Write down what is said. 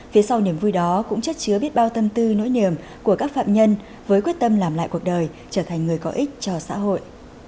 phía sau niềm vui đó cũng chất chứa biết bao tâm tư nỗi niềm của các phạm nhân với quyết tâm làm lại cuộc đời trở thành người có ích cho xã hội